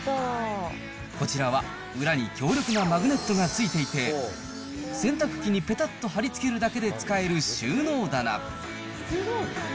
こちらは裏に強力なマグネットが付いていて、洗濯機にぺたっと貼り付けるだけで使える収納棚。